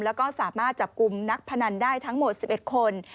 แล้วก็สามารถจับกลุ่มนักพนันได้ทั้งหมด๑๑คน